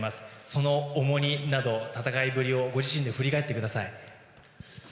その重荷など、戦いぶりをご自身で振り返ってください。